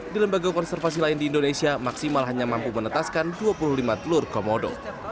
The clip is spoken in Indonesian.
di lembaga konservasi lain di indonesia maksimal hanya mampu menetaskan dua puluh lima telur komodo